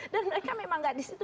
dan mereka memang tidak di situ